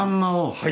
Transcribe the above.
はい。